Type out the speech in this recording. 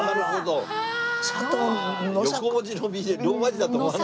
横文字のＢローマ字だと思わない。